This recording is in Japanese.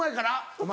お前。